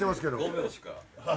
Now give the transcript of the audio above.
５秒しか。